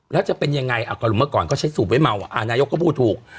แล้วจะเป็นยังไงก็เมื่อก่อนก็ใช้สูบไว้เมานายกก็พูดถูก